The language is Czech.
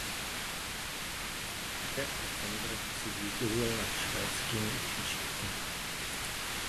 Také Alexandr kdysi zvítězil nad švédskými útočníky.